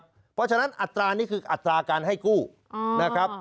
เพราะฉะนั้นอัตรานี้คืออัตราการให้กู้นะครับ